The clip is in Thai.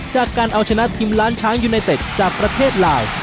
จากการเอาชนะทีมล้านช้างยูไนเต็ดจากประเทศลาว